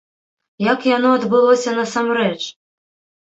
Як яно адбылося насамрэч?